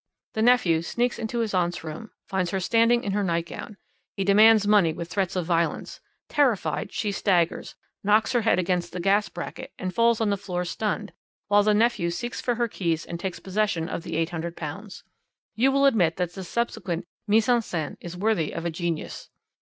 The nephew sneaks into his aunt's room, finds her standing in her nightgown; he demands money with threats of violence; terrified, she staggers, knocks her head against the gas bracket, and falls on the floor stunned, while the nephew seeks for her keys and takes possession of the £800. You will admit that the subsequent mise en scène is worthy of a genius.